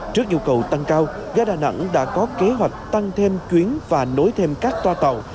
trước nhu cầu tăng cao ga đà nẵng đã có kế hoạch tăng thêm chuyến và nối thêm các toa tàu